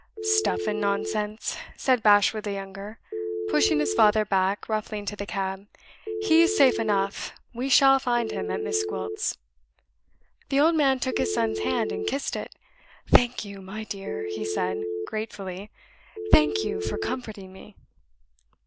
"Stuff and nonsense!" said Bashwood the younger, pushing his father back roughly into the cab. "He's safe enough. We shall find him at Miss Gwilt's." The old man took his son's hand and kissed it. "Thank you, my dear," he said, gratefully. "Thank you for comforting me."